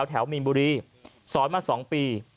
แถวมีนบุรีสอนมา๒ปี